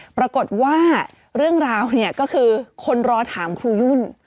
ปรากฏว่าเรื่องราวเนี่ยก็คือคนรอถามครูยุ่น